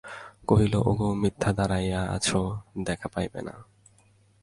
কহিল, ওগো, মিথ্যা দাঁড়াইয়া আছ, দেখা পাইবে না।